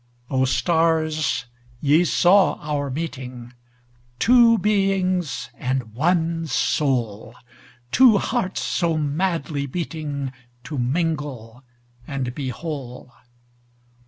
O, stars, ye saw our meeting, Two beings and one soul, Two hearts so madly beatingTo mingle and be whole!